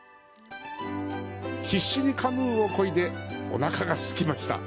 必死にカヌーをこいでおなかがすきました。